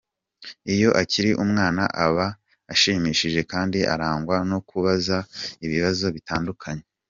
Iyo akiri umwana aba ashimishije kandi arangwa no kubaza ibibazo bitandukanye.